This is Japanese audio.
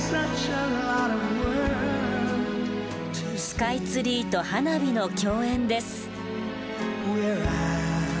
スカイツリーと花火の共演です。